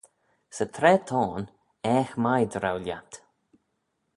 Sy traa t'ayn, aigh mie dy row lhiat!